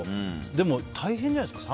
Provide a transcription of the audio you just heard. でも、大変じゃないですか。